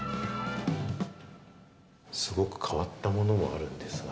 すごく変わったものがあるんですが。